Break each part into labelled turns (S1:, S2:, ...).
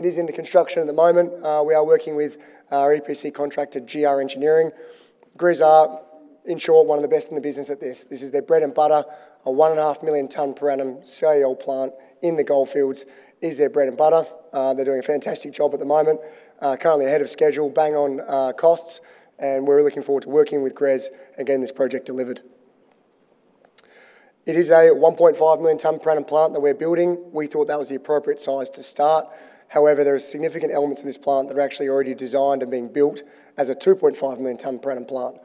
S1: It is under construction at the moment. We are working with our EPC contractor, GR Engineering. GRZ are, in short, one of the best in the business at this. This is their bread and butter. A 1.5 million tonne per annum CIL plant in the Goldfields is their bread and butter. They're doing a fantastic job at the moment. Currently ahead of schedule, bang on costs. We're looking forward to working with GRZ and getting this project delivered. It is a 1.5 million tonne per annum plant that we're building. We thought that was the appropriate size to start. However, there are significant elements of this plant that are actually already designed and being built as a 2.5 million tonne per annum plant.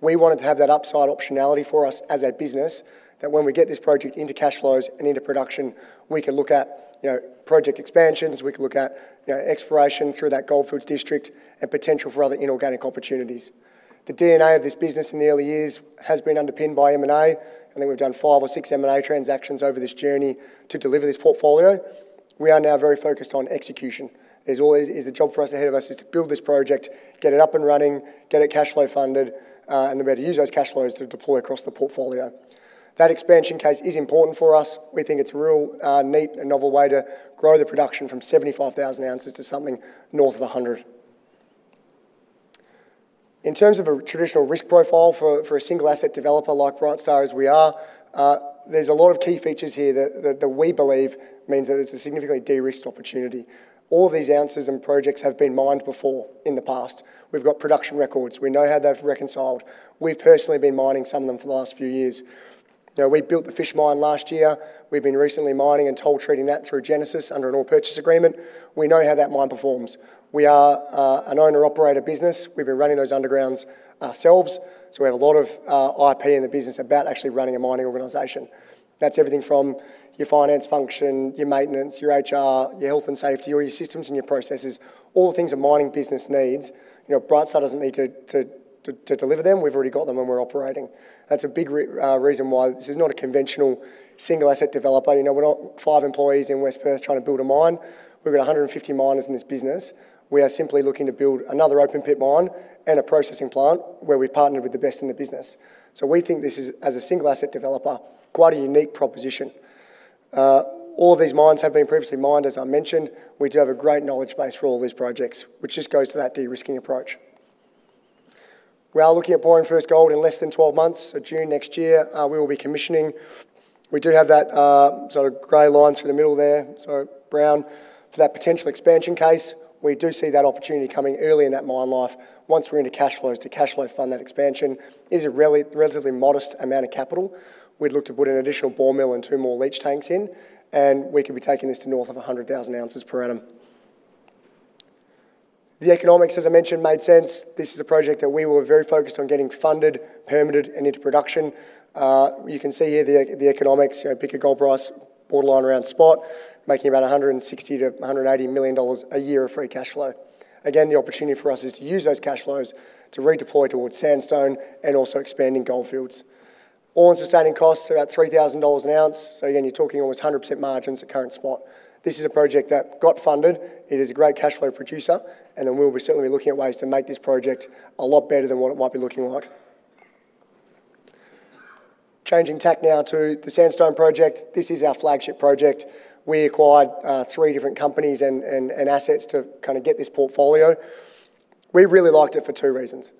S1: We wanted to have that upside optionality for us as a business, that when we get this project into cash flows and into production, we can look at project expansions, we can look at exploration through that Goldfields district, and potential for other inorganic opportunities. The DNA of this business in the early years has been underpinned by M&A. I think we've done five or six M&A transactions over this journey to deliver this portfolio. We are now very focused on execution. As always, the job for us ahead of us is to build this project, get it up and running, get it cash flow funded. We better use those cash flows to deploy across the portfolio. That expansion case is important for us. We think it's a real neat and novel way to grow the production from 75,000 oz to something north of 100. In terms of a traditional risk profile for a single asset developer like Brightstar as we are, there's a lot of key features here that we believe means that it's a significantly de-risked opportunity. All these ounces and projects have been mined before in the past. We've got production records. We know how they've reconciled. We've personally been mining some of them for the last few years. We built the Fish Mine last year. We've been recently mining and toll treating that through Genesis under an ore purchase agreement. We know how that mine performs. We are an owner-operator business. We've been running those undergrounds ourselves. We have a lot of IP in the business about actually running a mining organization. That's everything from your finance function, your maintenance, your HR, your health and safety, all your systems and your processes. All the things a mining business needs. Brightstar doesn't need to deliver them. We've already got them and we're operating. That's a big reason why this is not a conventional single asset developer. We're not five employees in West Perth trying to build a mine. We've got 150 miners in this business. We are simply looking to build another open pit mine and a processing plant where we've partnered with the best in the business. We think this is, as a single asset developer, quite a unique proposition. All of these mines have been previously mined, as I mentioned. We do have a great knowledge base for all these projects, which just goes to that de-risking approach. We are looking at pouring first gold in less than 12 months. June next year, we will be commissioning. We do have that sort of gray line through the middle there, sort of brown, for that potential expansion case. We do see that opportunity coming early in that mine life. Once we're into cash flows, to cash flow fund that expansion is a relatively modest amount of capital. We'd look to put an additional ball mill and two more leach tanks in, and we could be taking this to north of 100,000 oz per annum. The economics, as I mentioned, made sense. This is a project that we were very focused on getting funded, permitted, and into production. You can see here the economics. Pick a gold price, borderline around spot, making about 160 million-180 million dollars a year of free cash flow. The opportunity for us is to use those cash flows to redeploy towards Sandstone and also expanding Goldfields. All-in sustaining costs are about 3,000 dollars an ounce. You're talking almost 100% margins at current spot. This is a project that got funded. It is a great cash flow producer, and we'll certainly be looking at ways to make this project a lot better than what it might be looking like. Changing tack now to the Sandstone project. This is our flagship project. We acquired three different companies and assets to kind of get this portfolio. We really liked it for two reasons.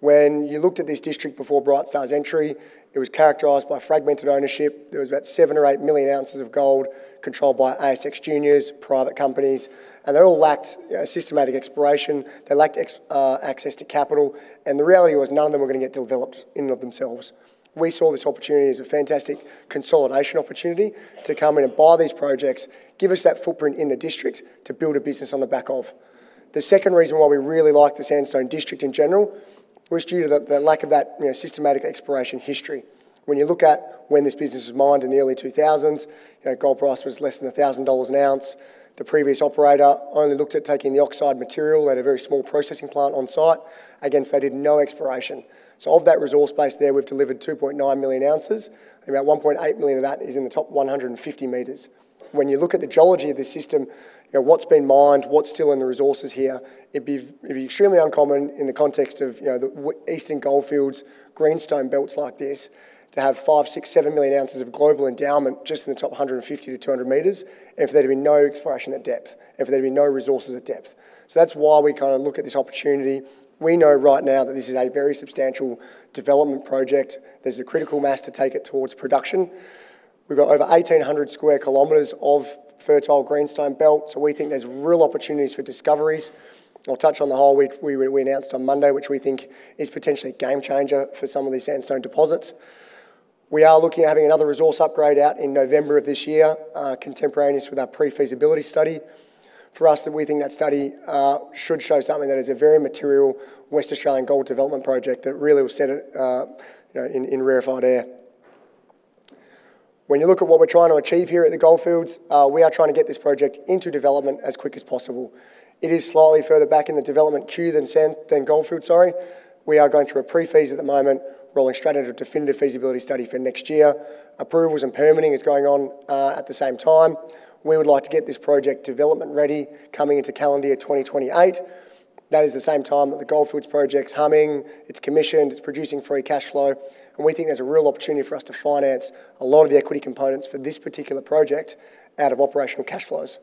S1: When you looked at this district before Brightstar's entry, it was characterized by fragmented ownership. There was about 7 million or 8 million ounces of gold controlled by ASX juniors, private companies, and they all lacked systematic exploration. They lacked access to capital, and the reality was none of them were going to get developed in and of themselves. We saw this opportunity as a fantastic consolidation opportunity to come in and buy these projects, give us that footprint in the district to build a business on the back of. The second reason why we really like the Sandstone district in general was due to the lack of that systematic exploration history. When you look at when this business was mined in the early 2000s, gold price was less than 1,000 dollars an ounce. The previous operator only looked at taking the oxide material at a very small processing plant on site. They did no exploration. Of that resource base there, we've delivered 2.9 million ounces. About 1.8 million of that is in the top 150 m. When you look at the geology of this system, what's been mined, what's still in the resources here, it'd be extremely uncommon in the context of the Eastern Goldfields, greenstone belts like this, to have 5 million, 6 million, 7 million ounces of global endowment just in the top 150 m-200 m and for there to be no exploration at depth and for there to be no resources at depth. That's why we kind of look at this opportunity. We know right now that this is a very substantial development project. There's a critical mass to take it towards production. We've got over 1,800 sq km of fertile greenstone belt, we think there's real opportunities for discoveries. I'll touch on the hole we announced on Monday, which we think is potentially a game changer for some of these Sandstone deposits. We are looking at having another resource upgrade out in November of this year, contemporaneous with our pre-feasibility study. For us, we think that study should show something that is a very material Western Australian gold development project that really will set it in rarefied air. When you look at what we're trying to achieve here at the Goldfields, we are trying to get this project into development as quick as possible. It is slightly further back in the development queue than Goldfields. We are going through a pre-feas at the moment, rolling straight into a definitive feasibility study for next year. Approvals and permitting is going on at the same time. We would like to get this project development ready coming into calendar year 2028. That is the same time that the Goldfields project's humming, it's commissioned, it's producing free cash flow, we think there's a real opportunity for us to finance a lot of the equity components for this particular project out of operational cash flows.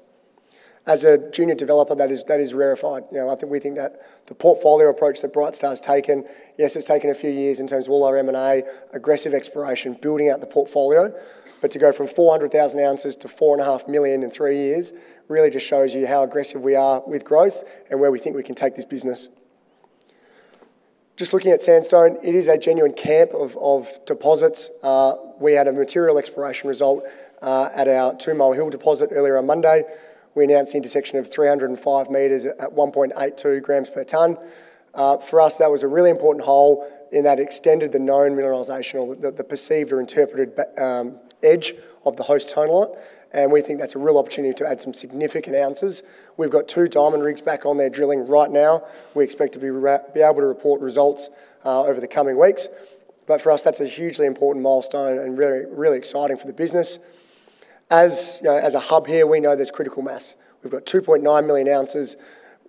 S1: As a junior developer, that is rarefied. We think that the portfolio approach that Brightstar has taken, yes, it's taken a few years in terms of all our M&A, aggressive exploration, building out the portfolio. To go from 400,000 oz to 4.5 million in three years really just shows you how aggressive we are with growth and where we think we can take this business. Looking at Sandstone, it is a genuine camp of deposits. We had a material exploration result at our Two Mile Hill deposit earlier on Monday. We announced the intersection of 305 m at 1.82 g/ton. For us, that was a really important hole in that extended the known mineralization, or the perceived or interpreted edge of the host tonalite, we think that's a real opportunity to add some significant ounces. We've got two diamond rigs back on there drilling right now. We expect to be able to report results over the coming weeks. For us, that's a hugely important milestone and really exciting for the business. As a hub here, we know there's critical mass. We've got 2.9 million ounces.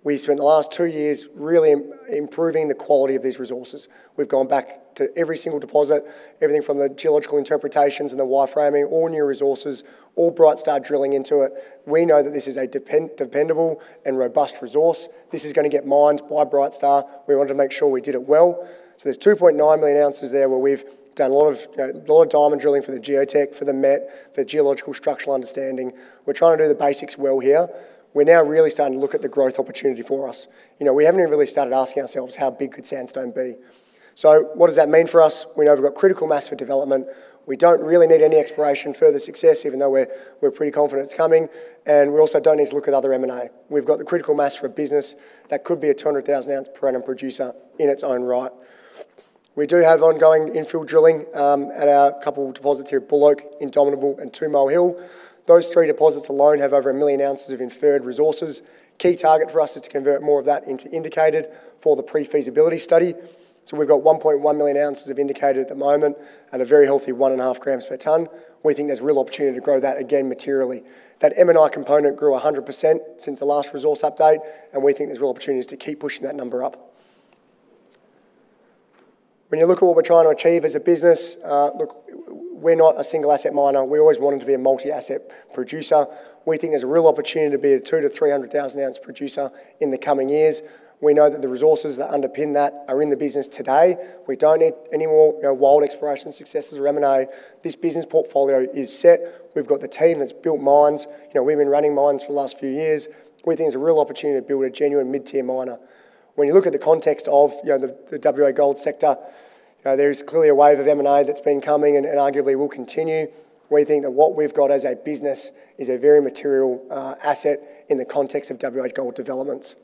S1: We spent the last two years really improving the quality of these resources. We've gone back to every single deposit, everything from the geological interpretations and the wireframing, all new resources, all Brightstar drilling into it. We know that this is a dependable and robust resource. This is going to get mined by Brightstar. We wanted to make sure we did it well. There's 2.9 million ounces there where we've done a lot of diamond drilling for the geotech, for the met, for geological structural understanding. We're trying to do the basics well here. We're now really starting to look at the growth opportunity for us. We haven't even really started asking ourselves how big could Sandstone be. What does that mean for us? We know we've got critical mass for development. We don't really need any exploration, further success, even though we're pretty confident it's coming, we also don't need to look at other M&A. We've got the critical mass for a business that could be a 200,000 oz per annum producer in its own right. We do have ongoing infill drilling at our couple deposits here at Bull Oak, Indomitable, and Two Mile Hill. Those three deposits alone have over 1 million ounces of inferred resources. Key target for us is to convert more of that into indicated for the Pre-Feasibility Study. We've got 1.1 million ounces of indicated at the moment at a very healthy 1.5 g/ton. We think there's real opportunity to grow that again materially. That M&I component grew 100% since the last resource update. We think there's real opportunities to keep pushing that number up. When you look at what we're trying to achieve as a business, look, we're not a single asset miner. We always wanted to be a multi-asset producer. We think there's a real opportunity to be a 200,000 oz-300,000 oz producer in the coming years. We know that the resources that underpin that are in the business today. We don't need any more wild exploration successes or M&A. This business portfolio is set. We've got the team that's built mines. We've been running mines for the last few years. We think it's a real opportunity to build a genuine mid-tier miner. When you look at the context of the WA gold sector, there is clearly a wave of M&A that's been coming and arguably will continue. We think that what we've got as a business is a very material asset in the context of WA gold developments.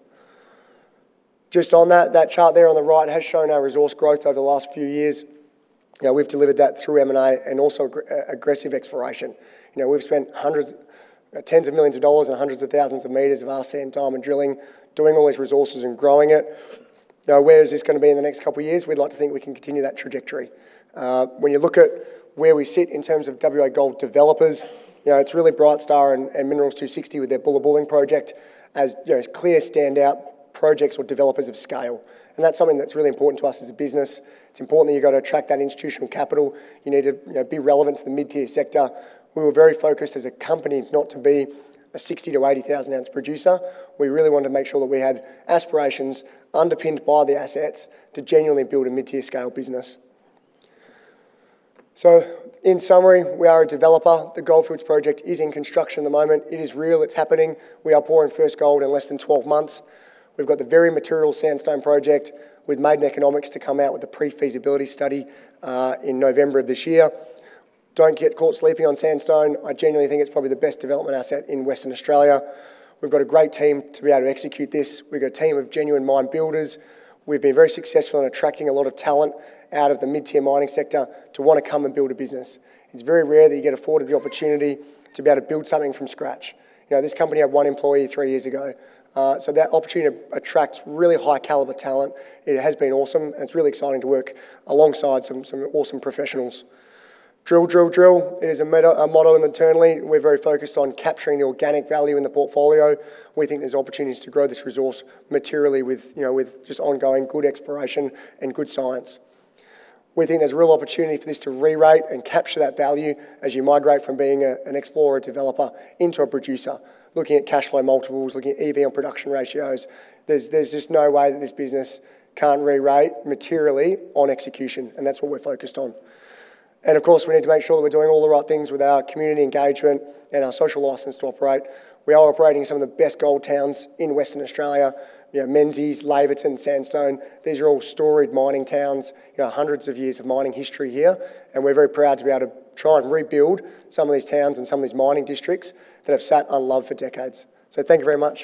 S1: Just on that chart there on the right has shown our resource growth over the last few years. We've delivered that through M&A and also aggressive exploration. We've spent tens of millions of dollars and hundreds of thousands of meters of RC and diamond drilling, doing all these resources and growing it. Where is this going to be in the next couple of years? We'd like to think we can continue that trajectory. When you look at where we sit in terms of WA gold developers, it's really Brightstar and Minerals 260 with their Bullabulling project as clear standout projects with developers of scale. That's something that's really important to us as a business. It's important that you've got to attract that institutional capital. You need to be relevant to the mid-tier sector. We were very focused as a company not to be a 60,000 oz-80,000 oz producer. We really wanted to make sure that we had aspirations underpinned by the assets to genuinely build a mid-tier scale business. In summary, we are a developer. The Goldfields project is in construction at the moment. It is real. It's happening. We are pouring first gold in less than 12 months. We've got the very material Sandstone project. We've made an economics to come out with a Pre-Feasibility Study in November of this year. Don't get caught sleeping on Sandstone. I genuinely think it's probably the best development asset in Western Australia. We've got a great team to be able to execute this. We've got a team of genuine mine builders. We've been very successful in attracting a lot of talent out of the mid-tier mining sector to want to come and build a business. It's very rare that you get afforded the opportunity to be able to build something from scratch. This company had one employee three years ago. That opportunity attracts really high caliber talent. It has been awesome, it's really exciting to work alongside some awesome professionals. Drill, drill. It is a motto internally. We're very focused on capturing the organic value in the portfolio. We think there's opportunities to grow this resource materially with just ongoing good exploration and good science. We think there's a real opportunity for this to re-rate and capture that value as you migrate from being an explorer/developer into a producer. Looking at cash flow multiples, looking at EV on production ratios, there's just no way that this business can't re-rate materially on execution, and that's what we're focused on. Of course, we need to make sure that we're doing all the right things with our community engagement and our social license to operate. We are operating in some of the best gold towns in Western Australia. Menzies, Laverton, Sandstone. These are all storied mining towns. Hundreds of years of mining history here. We're very proud to be able to try and rebuild some of these towns and some of these mining districts that have sat unloved for decades. Thank you very much.